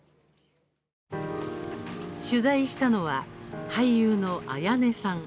取材したのは、俳優の彩音さん。